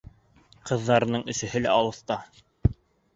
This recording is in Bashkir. Ҡыҙҙарының өсөһө лә алыҫта.